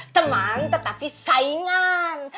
teman tetapi saingan